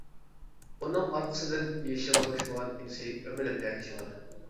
ئۇنىڭ ئارقىسىدىن يېشىغا توشمىغان ئىنىسى ئۆمىلەپ ئەگىشىدۇ.